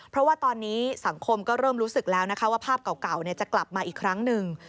เพราะว่าตอนนี้สังคมก็เริ่มรู้สึกแล้วนะคะว่าภาพเก่าจะกลับมาอีกครั้งหนึ่ง